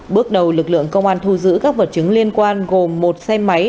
bước đầu lực lượng công an thu giữ các vật chứng liên quan gồm một xe máy